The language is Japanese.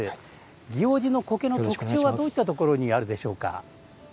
祇王寺の苔の特徴はどういったところにあるでしょうか。